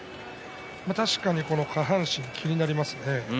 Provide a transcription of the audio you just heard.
確かに下半身気になりますね。